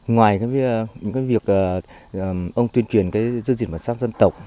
ngoài những cái việc ông tuyên truyền cái dư dịch văn sát dân tộc